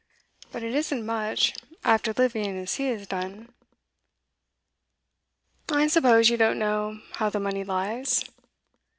But it isn't much, after living as he has done. I suppose you don't know how the money lies?